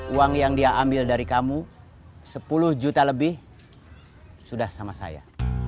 uang yang dia ambil dari kamu sepuluh juta lebih sudah sama saya